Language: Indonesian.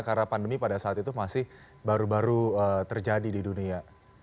karena pandemi pada saat itu masih baru baru terjadi di dunia